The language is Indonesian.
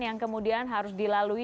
yang kemudian harus dilalui